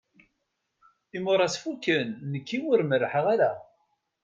Imuras fukken nekk ur merḥeɣ ara.